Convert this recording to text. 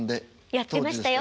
やってましたよ。